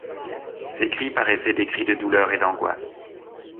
Ces cris paraissaient des cris de douleur et d’angoisse.